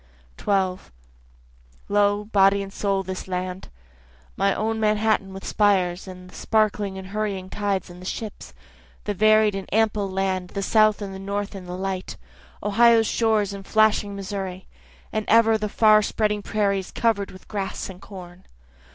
12 Lo, body and soul this land, My own Manhattan with spires, and the sparkling and hurrying tides, and the ships, The varied and ample land, the South and the North in the light, Ohio's shores and flashing Missouri, And ever the far spreading prairies cover'd with grass and corn.